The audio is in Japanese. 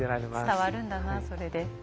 伝わるんだなそれで。